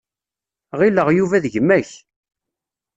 Ɣileɣ Yuba d gma-k.